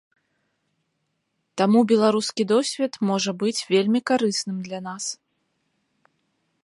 Таму беларускі досвед можа быць вельмі карысным для нас.